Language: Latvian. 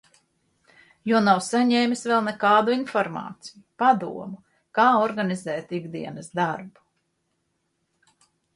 Jo nav saņēmis vēl nekādu informāciju, padomu, kā organizēt ikdienas darbu.